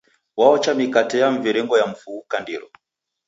W'aocha mikate ya mviringo ya mfu ghukandiro.